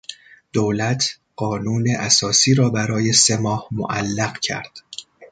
دولت قانون اساسی را برای سه ماه معلق کرد.